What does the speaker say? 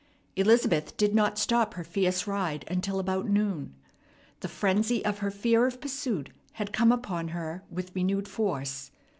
Elizabeth did not stop her fierce ride until about noon. The frenzy of her fear of pursuit had come upon her with renewed force.